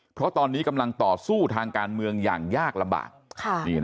เพราะตอนนี้กำลังต่อสู้ทางการเมืองอย่างยากลำบาก